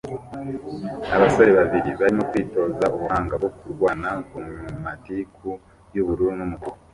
Abasore babiri barimo kwitoza ubuhanga bwo kurwana ku matiku y'ubururu n'umutuku